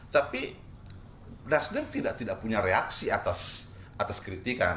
tapi nasdem tidak punya reaksi atas kritikan